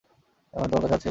এখনো তোমার কাছে আছে?